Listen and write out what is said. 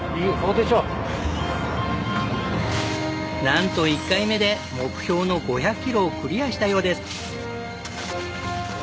なんと１回目で目標の５００キロをクリアしたようです。